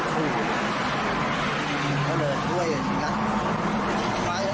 เพราะลูกเขาไม่กล้าคือเข้าไปแล้วมันถูก